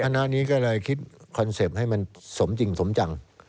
คณะนี้ก็เลยคิดคอนเซ็ปต์ให้มันสมจริงสมจัง